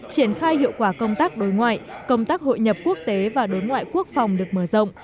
triển khai hiệu quả công tác đối ngoại công tác hội nhập quốc tế và đối ngoại quốc phòng được mở rộng